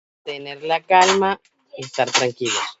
Tener la calma y estar tranquilos.